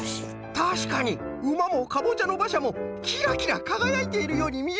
たしかにうまもかぼちゃのばしゃもキラキラかがやいているようにみえるぞい！